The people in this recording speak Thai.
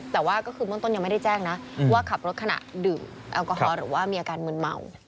แต่ว่าก็คือเบื้องต้นยังไม่ได้แจ้งนะว่าขับรถขณะดื่มแอลกอฮอล์หรือว่ามีอาการมืนเมา